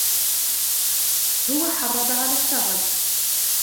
هو حرض على الشغب.